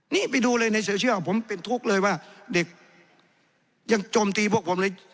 นี่ไปดูเลยในโซเชียลผมเป็นทุกข์เลยว่าเด็กยังโจมตีพวกผมเลย